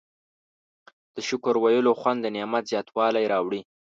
د شکر ویلو خوند د نعمت زیاتوالی راوړي.